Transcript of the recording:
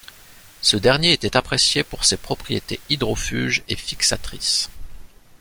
Ce dernier était apprécié pour ses propriétés hydrofuges et fixatrices.